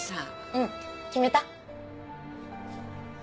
うん決めた？